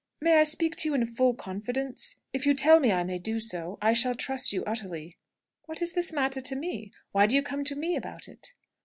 "May I speak to you in full confidence? If you tell me I may do so, I shall trust you utterly." "What is this matter to me? Why do you come to me about it?"